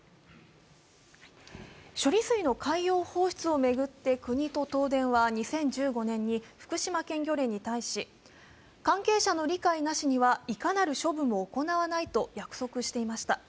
処理水の海洋放出を巡って国と東電は２０１５年に福島県漁連に対し関係者の理解なしにはいかなる処分も行わないと約束していました。